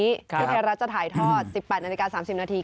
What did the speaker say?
ที่ไทยรัฐจะถ่ายทอด๑๘นาฬิกา๓๐นาที